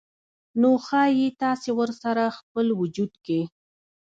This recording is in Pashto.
نو ښايي تاسې ورسره خپل وجود کې